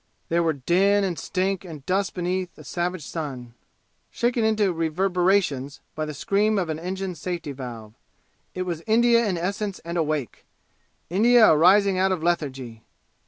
There were din and stink and dust beneath a savage sun, shaken into reverberations by the scream of an engine's safety valve. It was India in essence and awake! India arising out of lethargy!